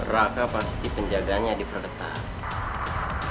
raka pasti penjagaannya diperketat